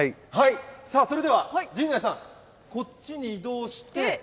さあ、それでは陣内さん、こっちに移動して。